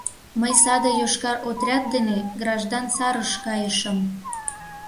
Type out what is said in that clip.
Мый саде йошкар отряд дене граждан сарыш кайышым...